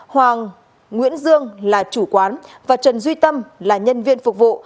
hoàng nguyễn dương là chủ quán và trần duy tâm là nhân viên phục vụ